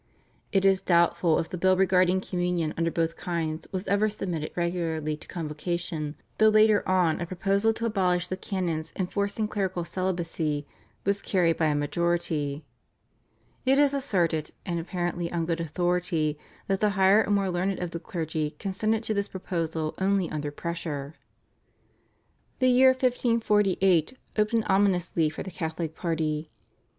It is doubtful if the bill regarding Communion under both kinds was ever submitted regularly to Convocation, though later on a proposal to abolish the canons enforcing clerical celibacy was carried by a majority. It is asserted, and apparently on good authority, that the higher and more learned of the clergy consented to this proposal only under pressure. The year 1548 opened ominously for the Catholic party.